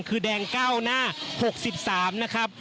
คือแดง๙หน้า๖๓นะครับ